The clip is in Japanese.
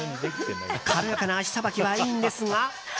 軽やかな足さばきはいいんですが。